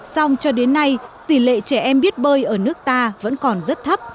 xong cho đến nay tỷ lệ trẻ em biết bơi ở nước ta vẫn còn rất thấp